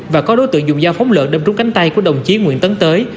và có đối tượng dùng dao phóng lợn đâm trúng cánh tay của đồng chí nguyễn tấn tới